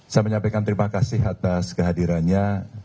saya menyampaikan terima kasih atas kehadirannya